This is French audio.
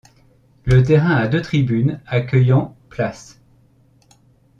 Le terrain a deux tribunes accueillant places.